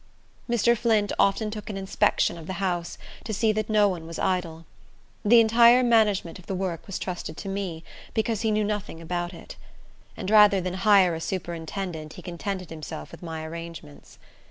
Mr. Flint often took an inspection of the house, to see that no one was idle. The entire management of the work was trusted to me, because he knew nothing about it; and rather than hire a superintendent he contented himself with my arrangements.